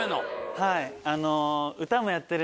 はい。